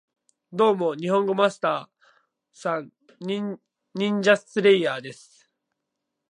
ドーモ、ニホンゴマスター＝サン！ニンジャスレイヤーです